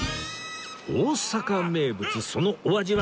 大阪名物そのお味は？